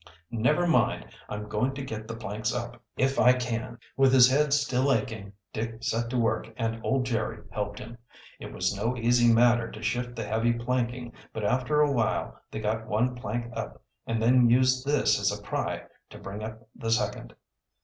"Never mind, I'm going to get the planks up if I can." With his head still aching Dick set to work and old Jerry helped him. It was no easy matter to shift the heavy planking, but after a while they got one plank up and then used this as a pry to bring up the second.